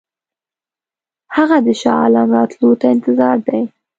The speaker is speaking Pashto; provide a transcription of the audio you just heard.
هغه د شاه عالم راتلو ته انتظار دی.